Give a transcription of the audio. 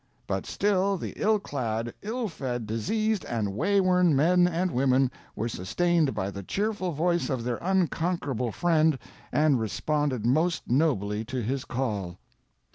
But still the ill clad, ill fed, diseased, and way worn men and women were sustained by the cheerful voice of their unconquerable friend, and responded most nobly to his call."